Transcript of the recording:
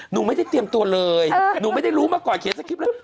หนูไม่ได้เตรียมตัวเลยหนูไม่ได้รู้มาก่อนเขียนสคริปต์เลย